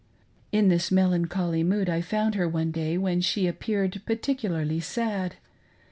In this melancholy mood I found her one day when she appeared particularly sad.